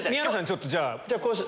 ちょっとじゃあ。